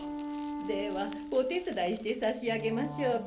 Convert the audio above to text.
ではお手伝いしてさしあげましょうか？